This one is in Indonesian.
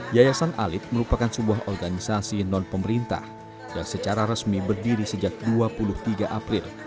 yayasan alit merupakan sebuah organisasi non pemerintah dan secara resmi berdiri sejak dua puluh tiga april